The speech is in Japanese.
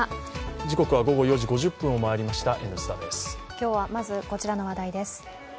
今日はまず、こちらの話題です。